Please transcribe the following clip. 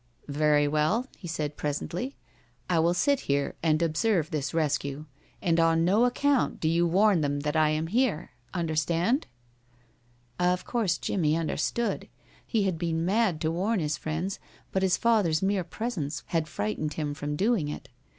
"Very well," he said presently. "I will sit here and observe this rescue. And on no account do you warn them that I am here. Understand?" Of course Jimmie understood. He had been mad to warn his friends, but his father's mere presence had frightened him from doing it.